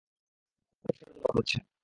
বসার জন্য বলছেন।